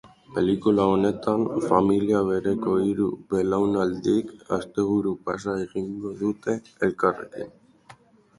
Pelikula honetan, familia bereko hiru belaunaldik asteburu-pasa egingo dute elkarrekin.